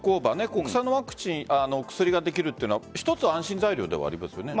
国産のワクチン薬ができるというのは一つ安心材料ではありますよね。